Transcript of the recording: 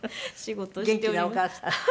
元気なお母さん。